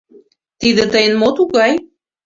— Тиде тыйын мо тугай?